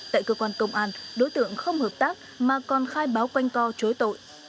tại cơ quan công an đối tượng không hợp tác mà còn khai báo quanh co chối tội